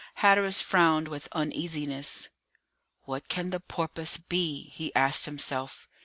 Hatteras frowned with uneasiness. "What can the Porpoise be?" he asked himself.